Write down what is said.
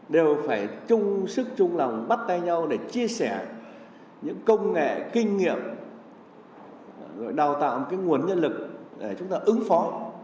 đều phải chung sức chung lòng bắt tay nhau để chia sẻ những công nghệ kinh nghiệm rồi đào tạo cái nguồn nhân lực để chúng ta ứng phó